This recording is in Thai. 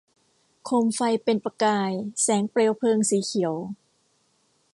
โคมไฟเป็นประกายแสงเปลวเพลิงสีเขียว